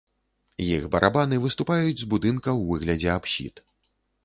Іх барабаны выступаюць з будынка ў выглядзе апсід.